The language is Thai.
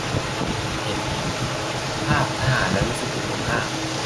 เห็นภาททหารแล้วรู้สึกอบอุ่นมาก